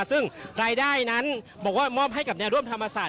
ซึ่งรายได้นั้นบอกว่ามอบให้กับแนวร่วมธรรมศาสต